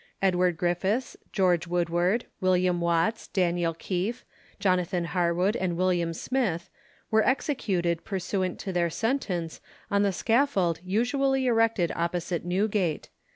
Edward Griffiths, George Woodward, William Watts, Daniel Keefe, Jonathan Harwood, and William Smith, were executed pursuant to their sentence, on the scaffold usually erected opposite Newgate.